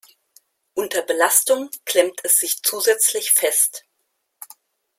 Unter Belastung klemmt es sich zusätzlich fest.